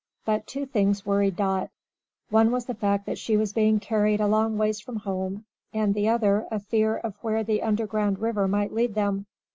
But two things worried Dot. One was the fact that she was being carried a long ways from home, and the other a fear of where the underground river might lead them.